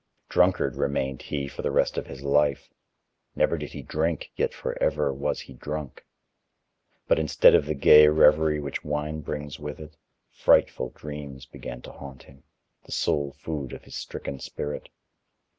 Drunkard remained he for the rest of his life; never did he drink, yet forever was he drunk. But instead of the gay reverie which wine brings with it, frightful dreams began to haunt him, the sole food of his stricken spirit.